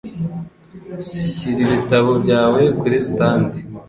Shyira ibitabo byawe kuri stand.